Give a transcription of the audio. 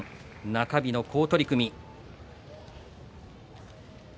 中日の好取組。